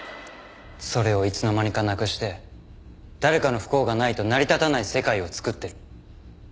それをいつの間にかなくして誰かの不幸がないと成り立たない世界をつくってる。